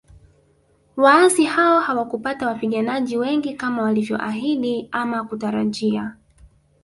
Waasi hao hawakupata wapiganaji wengi kama walivyoahidi ama kutarajia